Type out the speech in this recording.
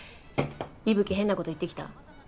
伊吹変なこと言ってきた？